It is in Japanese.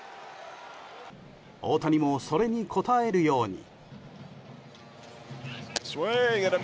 大谷もそれに応えるように。